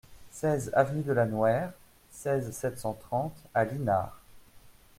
seize avenue de la Nouère, seize, sept cent trente à Linars